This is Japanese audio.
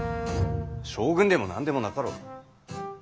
将軍でも何でもなかろう。